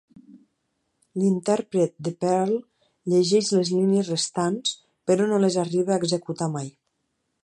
L'intèrpret de Perl llegeix les línies restants però no les arriba a executar mai.